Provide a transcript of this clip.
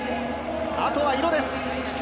あとは色です。